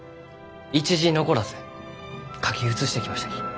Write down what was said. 一字残らず書き写してきましたき。